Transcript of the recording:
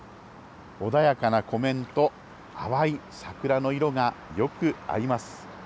穏やかな湖面と淡い桜の色がよく合います。